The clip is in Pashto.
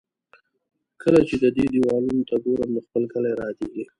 کله چې د دې دېوالونو ته ګورم، نو خپل کلی را یادېږي.